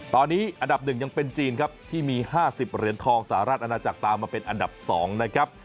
ตอนนี้อันดับ๑ยังเป็นจีนครับที่มี๕๐เหรียญทองสหรัฐอาณาจักรตามมาเป็นอันดับ๒นะครับ